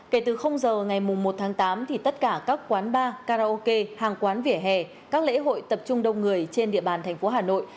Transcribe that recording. kể từ giờ ngày một tháng tám thì tất cả các quán bar karaoke hàng quán vỉa hè các lễ hội tập trung đông người trên địa bàn thành phố hà nội